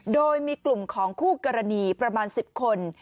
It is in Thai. โดยมีกลุ่มของคู่กรณีประมาณ๑๐คน